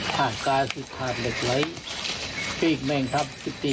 ส่งดูขึ้นมาอยู่เมื่อกี้